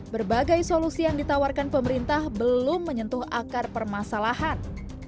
berbagai solusi yang ditawarkan pemerintah belum menyentuh akar permasalahan